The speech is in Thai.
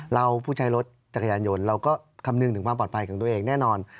ผู้ใช้รถจักรยานยนต์เราก็คำนึงถึงความปลอดภัยของตัวเองแน่นอน